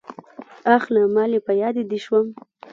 اخله مالې په ياده دې شوم.